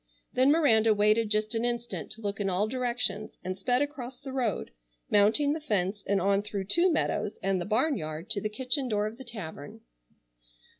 Then Miranda waited just an instant to look in all directions, and sped across the road, mounting the fence and on through two meadows, and the barnyard to the kitchen door of the tavern.